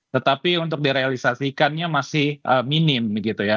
tetapi untuk direalisasikannya masih minim begitu ya